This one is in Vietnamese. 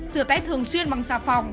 rửa tay thường xuyên bằng xà phòng